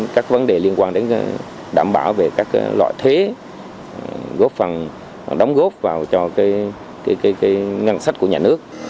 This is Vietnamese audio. các vấn đề liên quan đến đảm bảo về các loại thuế góp phần đóng góp vào cho ngân sách của nhà nước